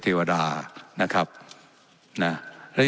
และยังเป็นประธานกรรมการอีก